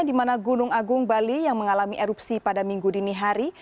di mana gunung agung bali yang mengalami erupsi pada minggu dini hari